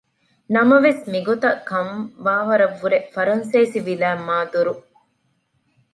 ނަމަވެސް މިގޮތަށް ކަން ވާވަރަށްވުރެ ފަރަންސޭސިވިލާތް މާ ދުރު